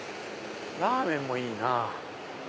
ラーメンもいいな。